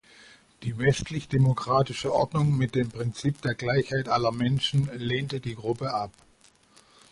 Die westlich-demokratische Ordnung mit dem Prinzip der Gleichheit aller Menschen lehnte die Gruppe ab.